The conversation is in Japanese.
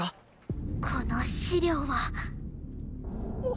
この資料は。